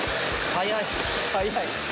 速い！